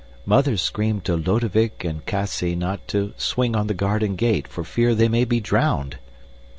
Mothers scream to Lodewyk and Kassy not to swing on the garden gate for fear they may be drowned!